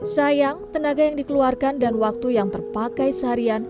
sayang tenaga yang dikeluarkan dan waktu yang terpakai seharian